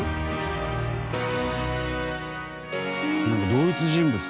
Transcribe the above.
同一人物？